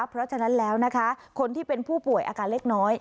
เพราะฉะนั้นแล้วนะคะคนที่เป็นผู้ป่วยอาการเล็กน้อย